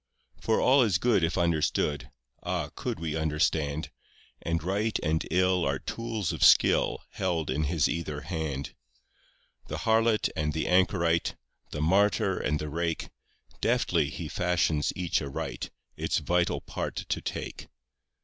2 For all is good, if understood, (Ah, could we understand!) And right and ill are tools of skill Held in His either hand. 3 The harlot and the anchorite, The martyr and the rake, Deftly He fashions each aright, Its vital part to take.